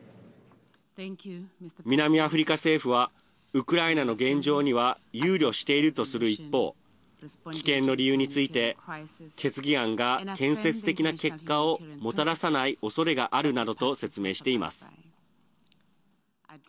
南アフリカ政府はウクライナの現状には憂慮しているとする一方棄権の理由について決議案が建設的な結果をもたらさないおそれがあるなどと説明しています。